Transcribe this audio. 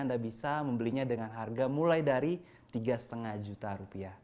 anda bisa membelinya dengan harga mulai dari tiga lima juta rupiah